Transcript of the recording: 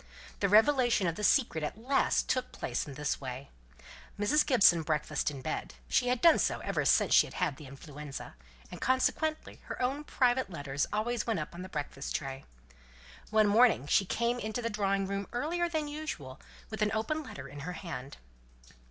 The revelation of the secret at last took place in this way. Mrs. Gibson breakfasted in bed: she had done so ever since she had had the influenza; and, consequently, her own private letters always went up on her breakfast tray. One morning she came into the drawing room earlier than usual, with an open letter in her hand.